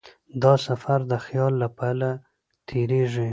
دا سفر د خیال له پله تېرېږي.